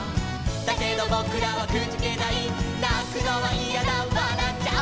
「だけどぼくらはくじけない」「なくのはいやだわらっちゃお」